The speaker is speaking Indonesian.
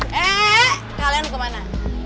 eee kalian mau kemana